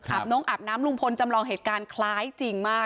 บนงอาบน้ำลุงพลจำลองเหตุการณ์คล้ายจริงมาก